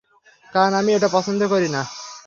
কারণ আমি এটা পছন্দ করি না।